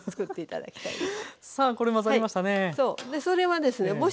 それはですね